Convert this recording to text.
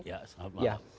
ya selamat malam